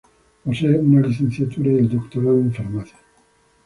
Posee una licenciatura y el doctorado en Farmacia.